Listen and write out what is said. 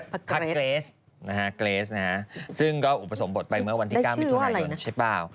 พักเกรสนะฮะเกรสนะฮะซึ่งก็อุปสมบทไปเมื่อวันที่๙มิถุนายนใช่เปล่า